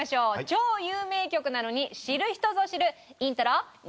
超有名曲なのに知る人ぞ知るイントロニンチ・ドン！